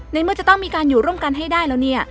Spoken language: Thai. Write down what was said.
ในเมื่อจะต้องมีการอยู่ร่วมกันให้ได้แล้วเนี่ย